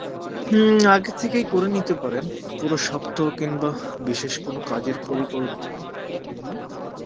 আগে থেকে করে নিতে পারেন পুরো সপ্তাহ কিংবা বিশেষ কোনো কাজের পরিকল্পনা।